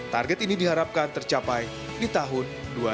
target ini diharapkan tercapai di tahun dua ribu dua puluh